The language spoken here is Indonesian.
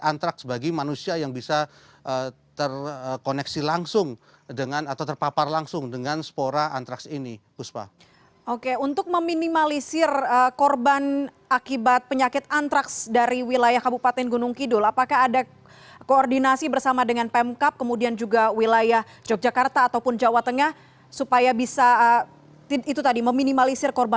untuk meminimalisir korban akibat penyakit antraks dari wilayah kabupaten gunung kidul apakah ada koordinasi bersama dengan pemkap kemudian juga wilayah yogyakarta ataupun jawa tengah supaya bisa meminimalisir korban